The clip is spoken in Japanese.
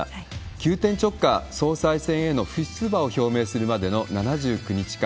急転直下、総裁選への不出馬を表明するまでの７９日間。